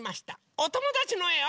おともだちのえを。